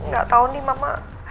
gak tau nih mama